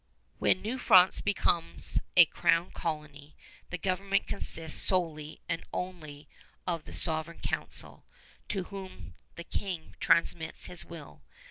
When New France becomes a Crown Colony, the government consists solely and only of the Sovereign Council, to whom the King transmits his will.